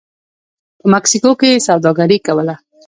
په مکسیکو کې یې سوداګري کوله